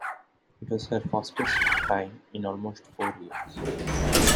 It was her fastest time in almost four years.